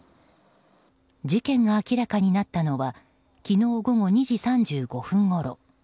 事件が明らかになったのは昨日午後２時３５分ごろ。